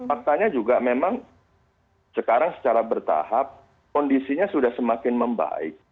faktanya juga memang sekarang secara bertahap kondisinya sudah semakin membaik